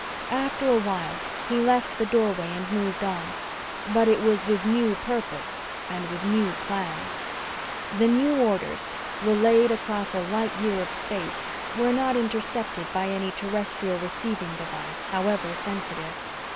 After a while he left the doorway and moved on. But it was with new purpose and with new plans. The new orders, relayed across a light year of space, were not intercepted by any terrestrial receiving device, however sensitive.